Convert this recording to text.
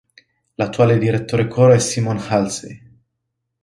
L'attuale direttore Coro è Simon Halsey.